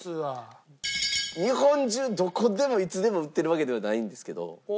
日本中どこでもいつでも売ってるわけではないんですけど。